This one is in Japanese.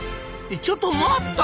ちょっと待った！